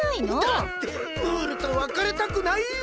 だってムールとわかれたくないよ。